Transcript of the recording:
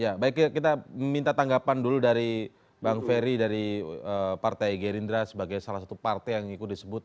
ya baik kita minta tanggapan dulu dari bang ferry dari partai gerindra sebagai salah satu partai yang ikut disebut